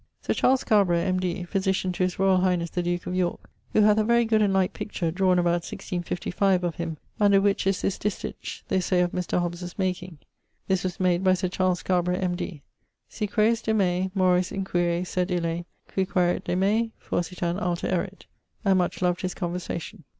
Sir Charles Scarborough, M.D. (physitian to his royal highnesse the duke of Yorke), who hath a very good and like picture (drawne about 1655)of him, under which is this distich (they say of Mr. Hobbes's making[CXXV.]), [CXXV.] This was made by Sir Charles Scarborough, M.D. Si quaeris de me, Mores inquire, sed Ille Qui quaerit de me, forsitan alter erit; and much loved his conversation.